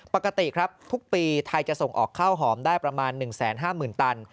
ปกติครับทุกปีไทยจะส่งออกข้าวหอมได้ประมาณ๑๕๐๐๐ตัน